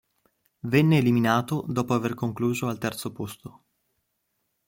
Venne eliminato dopo aver concluso al terzo posto.